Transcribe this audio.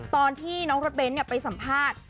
ตอนที่น้องรถเบ้นไปสัมภาษณ์